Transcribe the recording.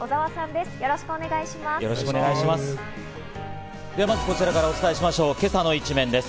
ではまずは、こちらからお伝えしましょう、今朝の一面です。